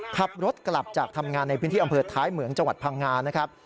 ขับรถกลับจากทำงานในพื้นที่อำเภอท้ายเหมืองจังหวัดพังงานะครับ